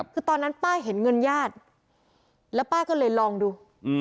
คือตอนนั้นป้าเห็นเงินญาติแล้วป้าก็เลยลองดู